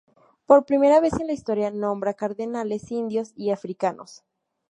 Por primera vez en la historia nombra cardenales indios y africanos.